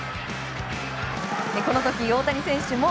この時、大谷選手も。